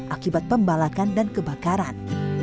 akibat pembalakan dan kebakaran